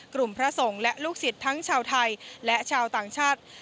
พระสงฆ์และลูกศิษย์ทั้งชาวไทยและชาวต่างชาติ